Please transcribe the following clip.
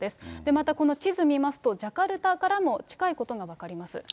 また、この地図見ますと、ジャカルタからも近いことが分かります。